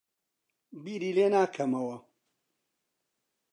بیری لێ ناکەمەوە.